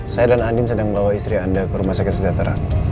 saya dan andin sedang membawa istri anda ke rumah sakit sejahtera